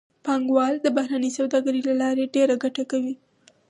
پانګوال د بهرنۍ سوداګرۍ له لارې ډېره ګټه کوي